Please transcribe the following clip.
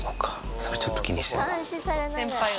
それちょっと気にしてる。